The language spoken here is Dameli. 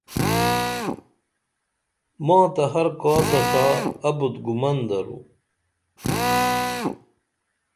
ما تہ ہر کاسہ ݜا ابُت گُمن درو